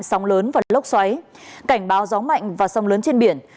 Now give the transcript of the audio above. sóng lớn và lốc xoáy cảnh báo gió mạnh và sông lớn trên biển